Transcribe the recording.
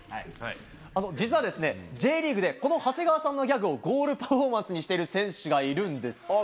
実はＪリーグでこの長谷川さんのギャグをゴールパフォーマンスにしている選手がいるんです。